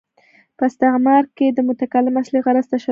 په استعاره کښي د متکلم اصلي غرض تشبېه يي.